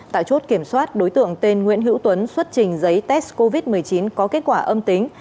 tại chốt kiểm soát đối tượng tên nguyễn hữu tuấn xuất trình giấy test covid một mươi chín có kết quả âm tính